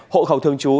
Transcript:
hộ khẩu thương chú